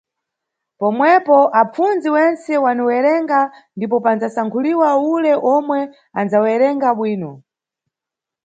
Pomwepo apfundzi wentse waniwerenga ndipo pandzasankhulidwa ule omwe andzawerenga bwino